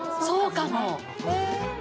そうかも！